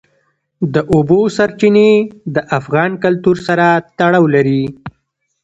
د اوبو سرچینې د افغان کلتور سره تړاو لري.